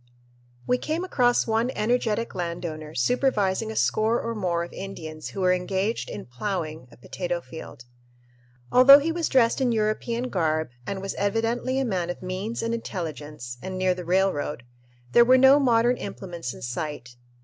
We came across one energetic landowner supervising a score or more of Indians who were engaged in "ploughing" a potato field. Although he was dressed in European garb and was evidently a man of means and intelligence, and near the railroad, there were no modern implements in sight.